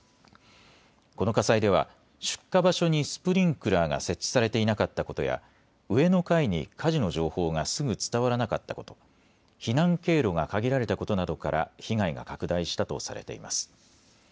この火災では、出火場所にスプリンクラーが設置されていなかったことや、上の階に火事の情報がすぐ伝わらなかったこと、避難経路が限られたことなどから被害が拡大したとされています。